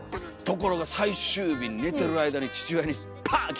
ところが最終日に寝てる間に父親にパーン！